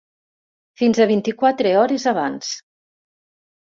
Fins a vint-i-quatre hores abans.